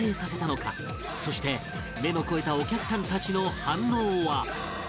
そして目の肥えたお客さんたちの反応は？